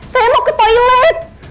saya mau ke toilet